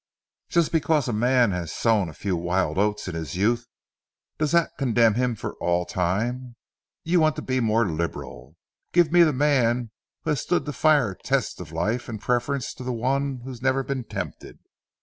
Just because a man has sown a few wild oats in his youth, does that condemn him for all time? You want to be more liberal. Give me the man who has stood the fire tests of life in preference to one who has never been tempted."